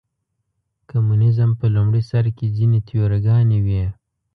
کمونیزم په لومړي سر کې ځینې تیوري ګانې وې.